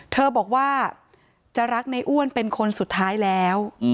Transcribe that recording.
เธอบอกว่าจะรักในอ้วนเป็นคนสุดท้ายแล้ว